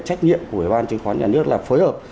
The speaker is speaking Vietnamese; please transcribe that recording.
trách nhiệm của ủy ban chứng khoán nhà nước là phối hợp